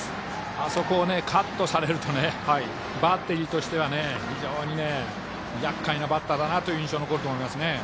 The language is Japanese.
あそこをカットされるとバッテリーとしては非常にやっかいなバッターという印象が残ると思いますね。